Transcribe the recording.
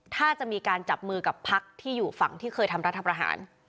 ถ้าจะมีการจับมือกับพักที่อยู่ฝั่งที่เคยทำรัฐประหาร